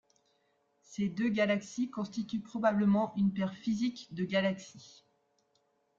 Ces deux galaxies constituent probablement une paire physique de galaxie.